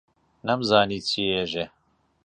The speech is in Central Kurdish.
نەمزانی چی ئێژێ،